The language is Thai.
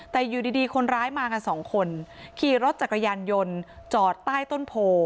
แต่อยู่ดีคนร้ายมากันสองคนขี่รถจักรยานยนต์จอดใต้ต้นโพ